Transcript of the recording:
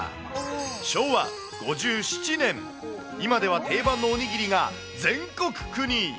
昭和５７年、今では定番のおにぎりが全国区に。